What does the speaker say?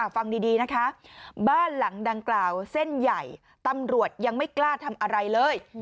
ฟังดีนะคะบ้านหลังดังกล่าวเส้นใหญ่ตำรวจยังไม่กล้าทำอะไรเลย